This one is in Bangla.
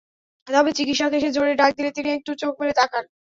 তবে চিকিৎসক এসে জোরে ডাক দিলে তিনি একটু চোখ মেলে তাকান।